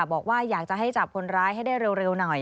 บอกว่าอยากจะให้จับคนร้ายให้ได้เร็วหน่อย